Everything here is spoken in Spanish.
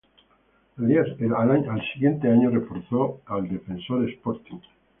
Al siguiente año reforzó al Defensor Sporting.